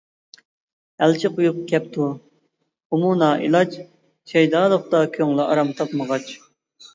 ئەلچى قويۇپ كەپتۇ ئۇمۇ نائىلاج، شەيدالىقتا كۆڭلى ئارام تاپمىغاچ.